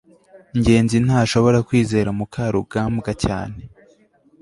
ngenzi ntashobora kwizera mukarugambwa cyane